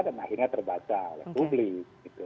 dan akhirnya terbaca oleh publik